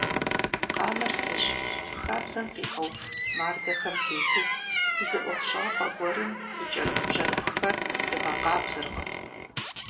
Къанэр зыщ - хабзэм къигъэув мардэхэм тету зы ӀуэхущӀапӀэ гуэрым и кӀэрыхубжьэрыхухэр игъэкъабзэркъым!